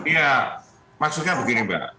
ya maksudnya begini mbak